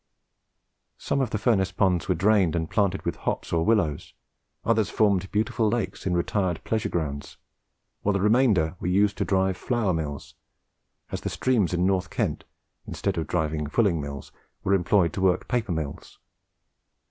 Some of the furnace ponds were drained and planted with hops or willows; others formed beautiful lakes in retired pleasure grounds; while the remainder were used to drive flour mills, as the streams in North Kent, instead of driving fulling mills, were employed to work paper mills.